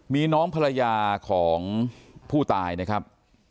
มีน้องภรรยาของผู้ตายนะครับ